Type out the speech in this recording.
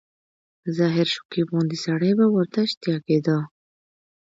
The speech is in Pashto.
د ظاهر شکیب غوندي سړي به ورته شتیا کېده.